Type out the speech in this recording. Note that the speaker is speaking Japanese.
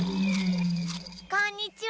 こんにちは。